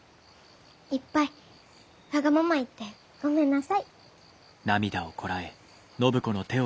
いっぱいわがまま言ってごめんなさい。